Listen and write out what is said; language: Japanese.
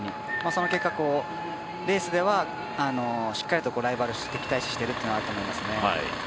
その結果、レースではしっかりとライバル視敵対視しているっていうのはあると思いますね。